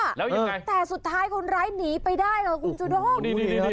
แต่สุดท้ายคนร้ายหนีไปได้แล้วคุณจุดอง